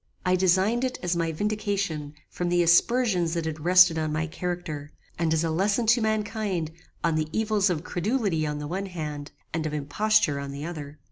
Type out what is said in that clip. I designed it as my vindication from the aspersions that had rested on my character, and as a lesson to mankind on the evils of credulity on the one hand, and of imposture on the other.